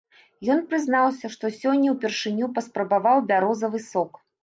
Ён прызнаўся, што сёння ўпершыню паспрабаваў бярозавы сок.